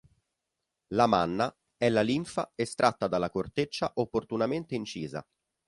La manna è la linfa estratta dalla corteccia opportunamente incisa.